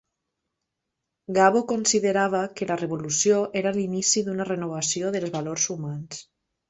Gabo considerava que la revolució era l'inici d'una renovació dels valors humans.